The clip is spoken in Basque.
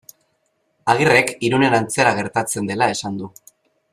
Agirrek Irunen antzera gertatzen dela esan du.